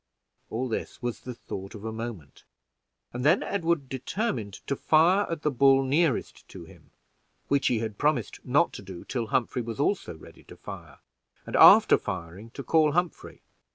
All this was the thought of a moment, and then Edward determined to fire at the bull nearest to him, which he had promised not to do till Humphrey was also ready to fire, and after firing to call to Humphrey.